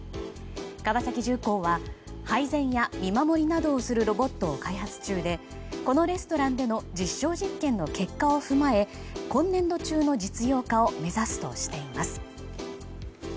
川崎重工は、配膳や見守りなどをするロボットを開発中でこのレストランでの実証実験の結果を踏まえ今年度中の実用化を目指すとしています。